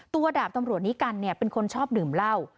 ดาบตำรวจนิกัลเป็นคนชอบดื่มเหล้า